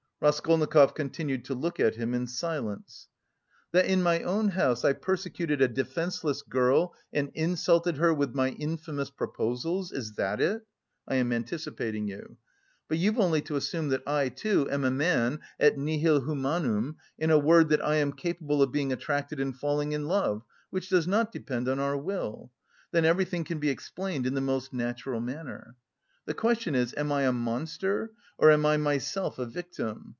Raskolnikov continued to look at him in silence. "That in my own house I persecuted a defenceless girl and 'insulted her with my infamous proposals' is that it? (I am anticipating you.) But you've only to assume that I, too, am a man et nihil humanum... in a word, that I am capable of being attracted and falling in love (which does not depend on our will), then everything can be explained in the most natural manner. The question is, am I a monster, or am I myself a victim?